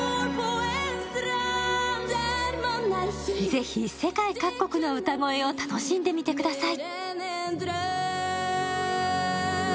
ぜひ世界各国の歌声を楽しんでみてください。